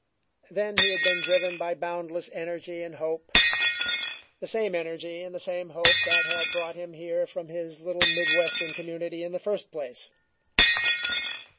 Then he had been driven by boundless energy and hope the same energy and the same hope that had brought him here from his little mid western community in the first place.